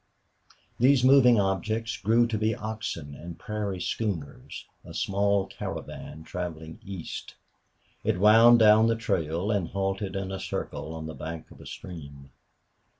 These moving objects grew to be oxen and prairie schooners a small caravan traveling east. It wound down the trail and halted in a circle on the bank of a stream.